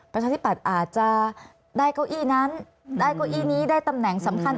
ประชาธิปัตย์อาจจะได้เก้าอี้นั้นได้เก้าอี้นี้ได้ตำแหน่งสำคัญ